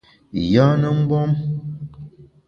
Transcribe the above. Yâne mgbom !